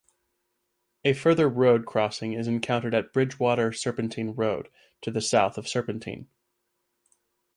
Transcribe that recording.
A further road crossing is encountered at Bridgewater-Serpentine Road, to the south of Serpentine.